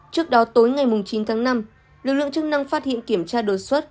trước đó tối ngày chín tháng năm lực lượng chức năng phát hiện kiểm tra đột xuất